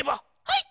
はい！